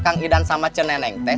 malahan kang idan sama ceneneng teh